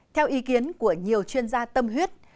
theo ý kiến của nhiều chuyên gia tâm huyết